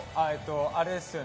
あれですよね。